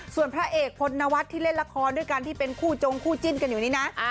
ส่วนพระเอกพลนวัฒน์ที่เล่นละครด้วยกันที่เป็นคู่จงคู่จิ้นกันอยู่นี่นะ